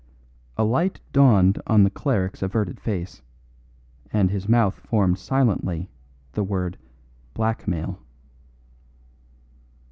A light dawned on the cleric's averted face, and his mouth formed silently the word "blackmail."